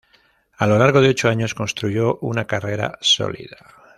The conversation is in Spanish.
A lo largo de ocho años construyó una carrera sólida.